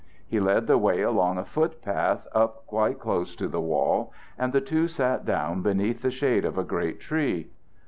He led the way along a foot path up quite close to the wall, and the two sat down beneath the shade of a great tree.